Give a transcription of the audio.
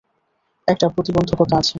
একটা প্রতিবন্ধকতা আছে।